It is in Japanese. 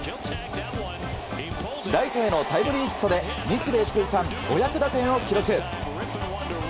ライトへのタイムリーヒットで日米通算５００打点を記録。